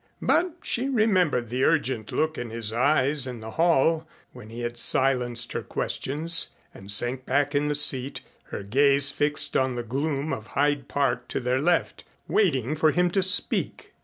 But she remembered the urgent look in his eyes in the hall when he had silenced her questions and sank back in the seat, her gaze fixed on the gloom of Hyde Park to their left, waiting for him to speak.